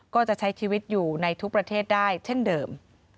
ก็จะใช้ชีวิตอยู่ในทุกประเทศได้เช่นเดิม